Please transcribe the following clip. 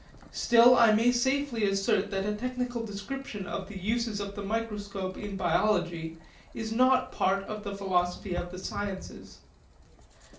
Still, I may safely assert that a technical description of the uses of the microscope in biology is not part of the philosophy of the sciences.